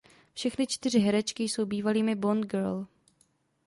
Všechny čtyři herečky jsou bývalými Bond girl.